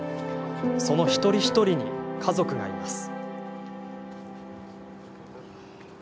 その一人一人に家族がいます。